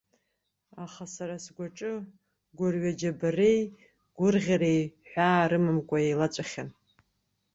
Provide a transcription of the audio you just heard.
Аха сара сгәаҿы гәырҩа-џьабареи гәырӷьареи ҳәаа рымамкәа еилаҵәахьан.